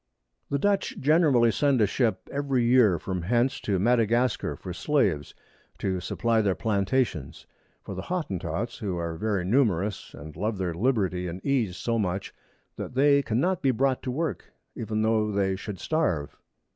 The Dutch generally send a Ship every Year from hence to Madagascar for Slaves, to supply their Plantations; for the Hotentots, who are very numerous, and love their Liberty and Ease so much, that they cannot be brought to work, even tho they should starve.